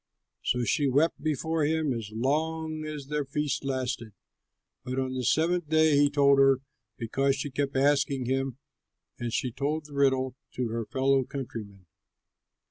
So she wept before him as long as their feast lasted, but on the seventh day he told her, because she kept asking him; and she told the riddle to her fellow countrymen.